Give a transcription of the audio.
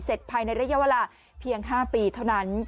ภายในระยะเวลาเพียง๕ปีเท่านั้น